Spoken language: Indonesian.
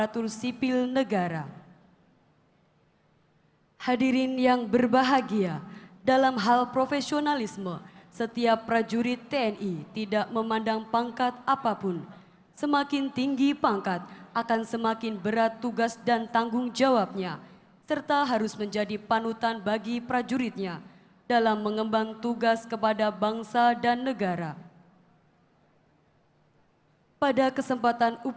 terima kasih atas perkenan dan tamu undangan yang berbahagia